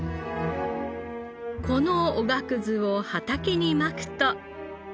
このおがくずを畑にまくと。